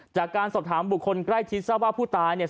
จากการสอบถามบุคคลใกล้ชิดทราบว่าผู้ตายเนี่ย